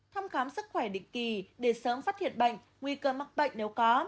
thăm khám sức khỏe định kỳ để sớm phát hiện bệnh nguy cơ mắc bệnh nếu có